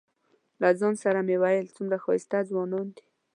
له ځان سره مې ویل څومره ښایسته ځوانان دي.